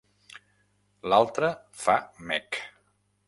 L'altre fa mec.